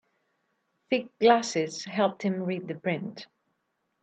Thick glasses helped him read the print.